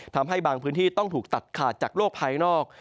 ทำให้บางพื้นที่ต้องถูกตัดขาดจากโลกภายนอก